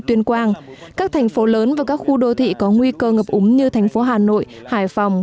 tuyên quang các thành phố lớn và các khu đô thị có nguy cơ ngập úng như thành phố hà nội hải phòng